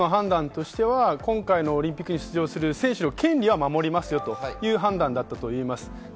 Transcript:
今回のオリンピックに出場する選手の権利を守りますよという判断だったと思います。